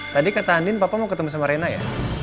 tadi kata andien papa mau ketemu sama reina ya